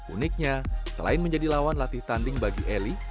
uniknya selain menjadi lawan latih tanding bagi eli